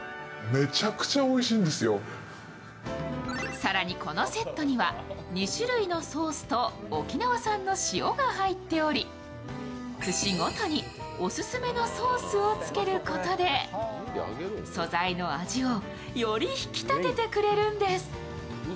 更にこのセットには２種類のソースと、沖縄産の塩が入っており、串ごとにオススメのソースをつけることで素材の味をより引き立ててくれるんです。